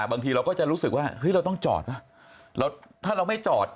บางทีเราก็จะรู้สึกว่าเฮ้ยเราต้องจอดป่ะถ้าเราไม่จอด